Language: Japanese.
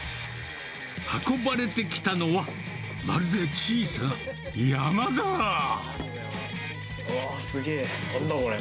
運ばれてきたのは、わー、すげー、なんだこれ？